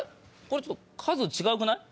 これちょっと数違くない？